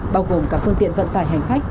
bao gồm cả phương tiện vận tải hành khách